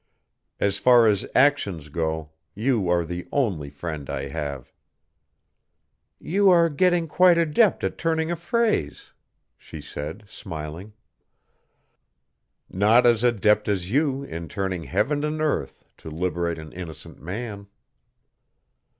As far as actions go, you are the only friend I have." "You are getting quite adept at turning a phrase," she said, smiling. "Not as adept as you in turning heaven and earth to liberate an innocent man."